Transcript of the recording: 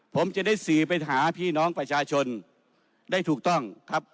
ผมจะได้สื่อไปหาพี่น้องประชาชนได้ถูกต้องครับ